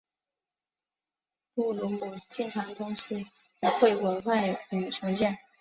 布鲁姆经常同时描绘毁坏与重建。